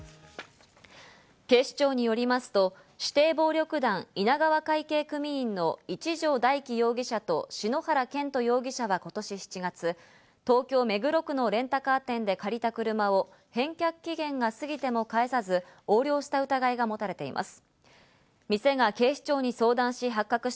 警視庁によりますと、指定暴力団・稲川会系組員の一條大樹容疑者と篠原健斗容疑者は今年７月、東京・目黒区のレンタカー店で借りた車を返却期限が過ぎても返さず、横領した疑いが持たれています。